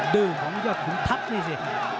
ดื้อของยอดขุนทัพนี่สิ